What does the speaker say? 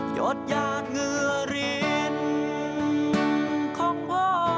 โยชน์หยาดเหงือฤนของพ่อ